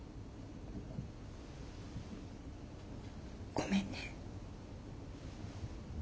ごめんね。